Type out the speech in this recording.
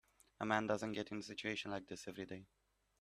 A man doesn't get in a situation like this every day.